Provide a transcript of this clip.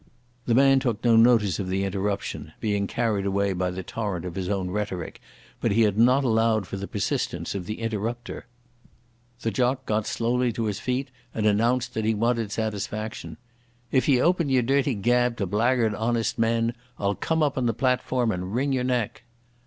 The man took no notice of the interruption, being carried away by the torrent of his own rhetoric, but he had not allowed for the persistence of the interrupter. The jock got slowly to his feet, and announced that he wanted satisfaction. "If ye open your dirty gab to blagyird honest men, I'll come up on the platform and wring your neck."